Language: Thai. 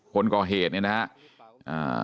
คนก่อเหตุเนี่ยนะครับ